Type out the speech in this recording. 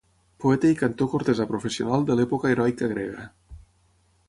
Poeta i cantor cortesà professional de l'època heroica grega.